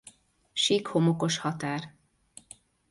Sik homokos határ.